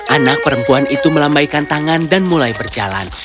anak perempuan itu melambaikan tangan dan mulai berjalan